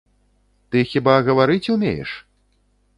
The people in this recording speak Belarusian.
Ты хіба гаварыць умееш?